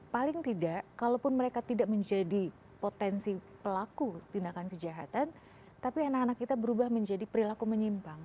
paling tidak kalaupun mereka tidak menjadi potensi pelaku tindakan kejahatan tapi anak anak kita berubah menjadi perilaku menyimpang